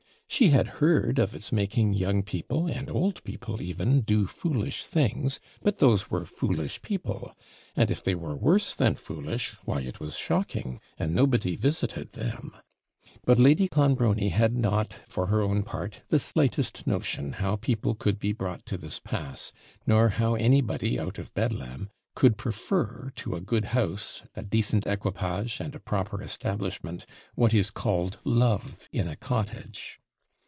She had heard of its making young people, and old people even, do foolish things; but those were foolish people; and if they were worse than foolish, why it was shocking, and nobody visited them. But Lady Clonbrony had not, for her own part, the slightest, notion how people could be brought to this pass, nor how anybody out of Bedlam could prefer to a good house, a decent equipage, and a proper establishment, what is called love in a cottage.